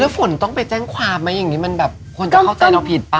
ฝนต้องไปแจ้งความไหมอย่างนี้มันแบบคนจะเข้าใจเราผิดป่